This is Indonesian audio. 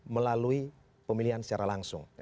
melalui pemilihan secara langsung